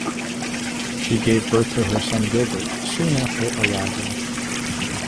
She gave birth to her son Gilbert soon after arrival.